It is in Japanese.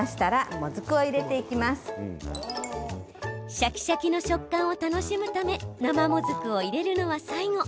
シャキシャキの食感を楽しむため生もずくを入れるのは最後。